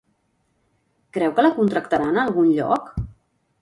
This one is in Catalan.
Creu que la contractaran a algun lloc?